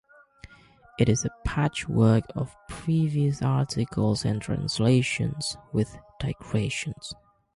It is a patchwork of previous articles and translations, with digressions.